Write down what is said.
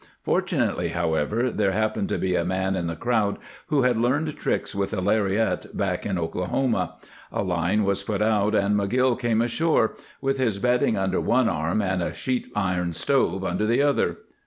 Fortunately, however, there happened to be a man in the crowd who had learned tricks with a lariat back in Oklahoma; a line was put out, and McGill came ashore with his bedding under one arm and a sheet iron stove under the other.